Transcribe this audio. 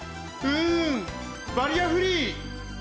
うんバリアフリー！